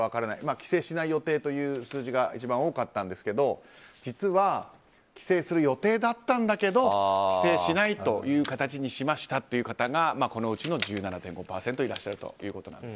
帰省しない予定の数字が一番多かったんですが実は、帰省する予定だったけど帰省しないという形にした人がこのうちの１７．５％いらっしゃるということです。